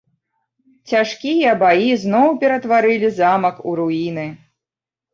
Цяжкія баі зноў ператварылі замак у руіны.